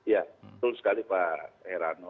ya betul sekali pak